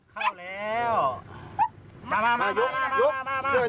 ยุนยุน